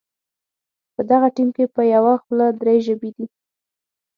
په دغه ټیم کې په یوه خوله درې ژبې دي.